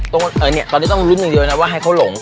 ตอนนี้ต้องลุ้นอย่างเดียวนะว่าให้เขาหลง